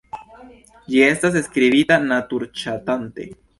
Ĝi estas skribita natur-ŝatante.